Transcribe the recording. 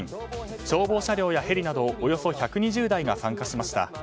消防車両やヘリなどおよそ１２０台が参加しました。